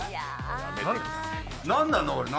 何なの、俺。